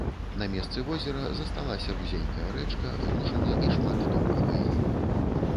На месцы возера засталася вузенькая рэчка, лужыны і шмат топкага ілу.